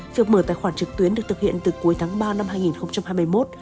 việc mở tài khoản trực tuyến được thực hiện từ cuối tháng ba năm hai nghìn hai mươi một